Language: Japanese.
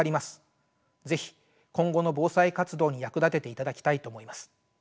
是非今後の防災活動に役立てていただきたいと思います。